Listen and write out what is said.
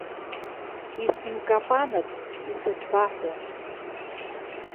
Исымкапанцт, исызбаҳәом.